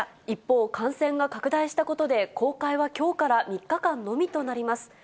一方、感染が拡大したことで、公開はきょうから３日間のみとなります。